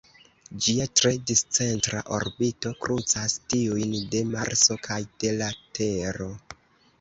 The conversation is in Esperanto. Ĝia tre discentra orbito krucas tiujn de Marso kaj de la Tero.